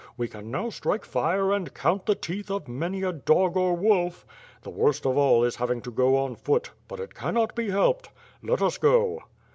We c^n now strike fire and count the teeth of many a dog or wolf. The worst of all is having to go on foot, but it cannot be helped, let us go!"